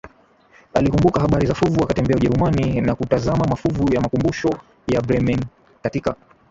alikumbuka habari za fuvu akatembelea Ujerumani na kutazama mafuvu ya makumbusho ya BremenKatika